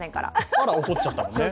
あら、怒っちゃったのね。